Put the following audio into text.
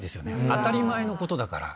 当たり前のことだから。